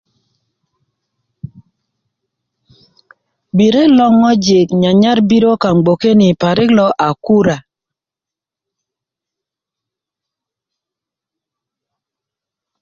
biret loŋ ŋojik nyanyar birö parik kaaŋ gboke ni lo a kura